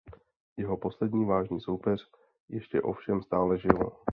Jeho poslední vážný soupeř ještě ovšem stále žil.